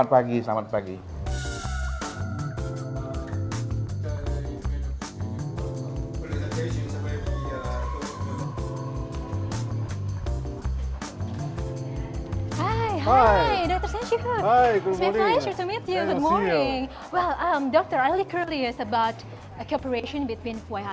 baik terima kasih banyak dokter iwan dakota atas waktunya